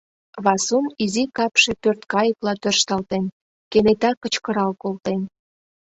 Васун изи капше пӧрткайыкла тӧршталтен, кенета кычкырал колтен: